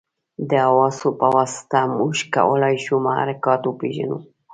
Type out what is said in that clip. د حواسو په واسطه موږ کولای شو محرکات وپېژنو.